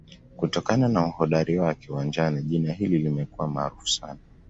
kutokana na uhodari wake uwanjani jina hili limekuwa maarufu sana